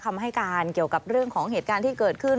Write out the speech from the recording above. คำให้การเกี่ยวกับเรื่องของเหตุการณ์ที่เกิดขึ้น